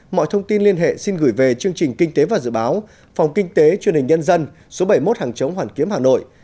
mọi thông tin liên hệ xin gửi về chương trình kinh tế và dự báo phòng kinh tế truyền hình nhân dân số bảy mươi một hàng chống hoàn kiếm hà nội